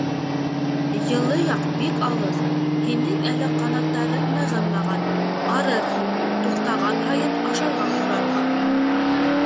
Йылы яҡ бик алыҫ. һинең әле ҡанаттарың нығынмаған, арырһың, туҡтаған һайын ашарға һорарһың.